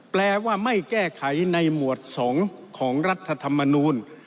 แปลว่าไม่แก้ไขในหมวด๒ของรัฐธรรมนูล